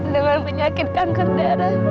dengan menyakitkan kendaraan